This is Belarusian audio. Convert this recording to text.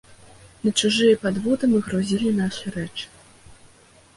На чужыя падводы мы грузілі нашы рэчы.